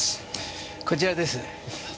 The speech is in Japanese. こちらです。